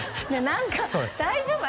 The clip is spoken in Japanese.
何か大丈夫？